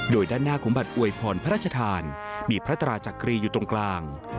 โดยด้านหน้าของบัตรอวยพรพระราชทานมีพระตราจักรีอยู่ตรงกลาง